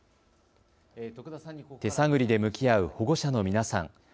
手探りで向き合う保護者の皆さん。